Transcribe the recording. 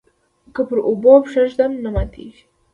که پر اوبو پښه ږدم نه ماتیږي.